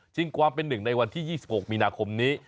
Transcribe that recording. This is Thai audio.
ความเป็นหนึ่งในวันที่๒๖มีนาคมนี้